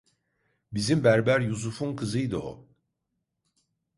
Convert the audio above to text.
Bizim berber Yusuf'un kızıydı o!